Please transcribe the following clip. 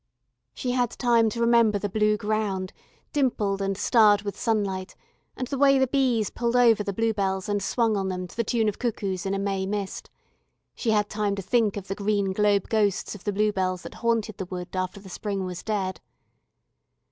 She had time to remember the blue ground, dimpled and starred with sunlight, and the way the bees pulled over the bluebells and swung on them to the tune of cuckoos in a May mist; she had time to think of the green globe ghosts of the bluebells that haunted the wood after the spring was dead.